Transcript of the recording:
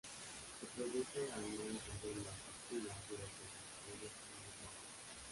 Se produce al no descender la escápula durante el desarrollo embrionario.